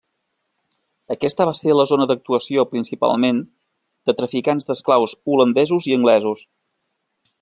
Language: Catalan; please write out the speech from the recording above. Aquesta va ser la zona d'actuació principalment de traficants d'esclaus holandesos i anglesos.